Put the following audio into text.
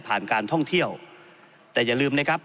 การท่องเที่ยวแต่อย่าลืมนะครับ